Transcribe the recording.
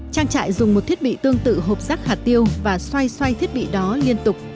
trang trại dùng một thiết bị tương tự hộp rác hạt tiêu và xoay xoay thiết bị đó liên tục